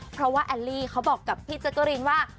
เพราะว่าแอลลี่เขาบอกกับพี่แจ๊กกะรีนว่า